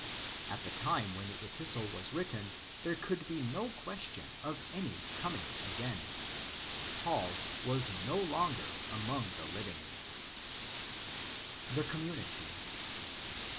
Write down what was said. At the time when the Epistle was written there could be no question of any coming again. Paul was no longer among the living. The Community.